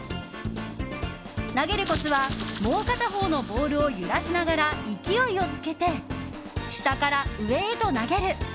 投げるコツはもう片方のボールを揺らしながら勢いをつけて下から上へと投げる。